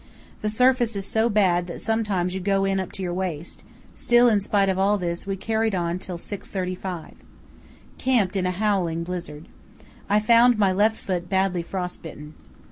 The surface is so bad that sometimes you go in up to your waist; still in spite of all this we carried on until 6.35. Camped in a howling blizzard. I found my left foot badly frost bitten.